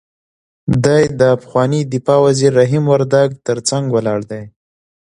دی د پخواني دفاع وزیر رحیم وردګ تر څنګ ولاړ دی.